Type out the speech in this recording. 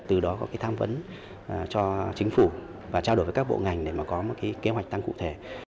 từ đó có cái tham vấn cho chính phủ và trao đổi với các bộ ngành để mà có một cái kế hoạch tăng cụ thể